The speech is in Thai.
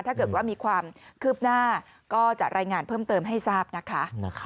ถ้าเกิดว่ามีความคืบหน้าก็จะรายงานเพิ่มเติมให้ทราบนะคะ